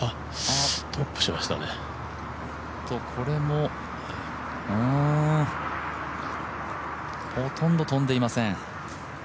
これもほとんど飛んでいません。